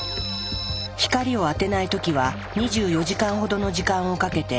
光を当てない時は２４時間ほどの時間をかけてほぼ回復。